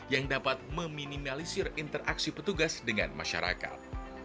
yang dapat meminimalisir interaksi petugas dengan masyarakat